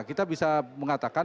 kita bisa mengatakan